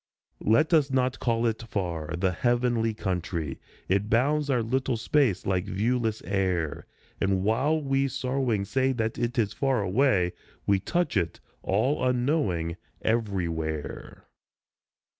Let us not call it far the heavenly country ; It bounds our little space like viewless air, And while we sorrowing say that it is far away We touch* it, all unknowing, everywhere.